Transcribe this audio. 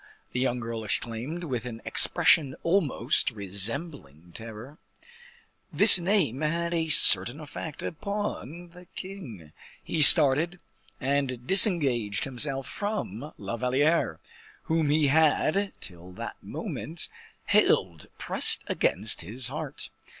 the young girl exclaimed, with an expression almost resembling terror. This name had a certain effect upon the king. He started, and disengaged himself from La Valliere, whom he had, till that moment, held pressed against his heart.